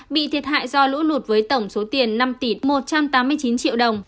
bị thiệt hại do lũ lụt với tổng số tiền năm một trăm tám mươi chín triệu đồng